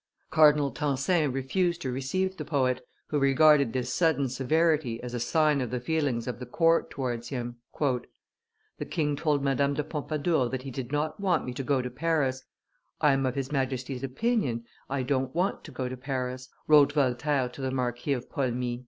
Cardinal Tencin refused to receive the poet, who regarded this sudden severity as a sign of the feelings of the court towards him. "The king told Madame de Pompadour that he did not want me to go to Paris; I am of his Majesty's opinion, I don't want to go to Paris," wrote Voltaire to the Marquis of Paulmy.